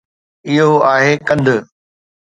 اهو آهي ڪنڌ